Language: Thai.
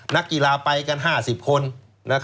นักกีฬาไปกันห้าสิบคน